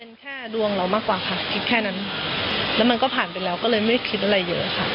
เป็นแค่ดวงเรามากกว่าค่ะคิดแค่นั้นแล้วมันก็ผ่านไปแล้วก็เลยไม่ได้คิดอะไรเยอะค่ะ